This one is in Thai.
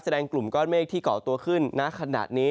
กลุ่มก้อนเมฆที่เกาะตัวขึ้นณขณะนี้